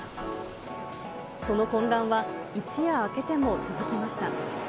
その混乱は、一夜明けても続きました。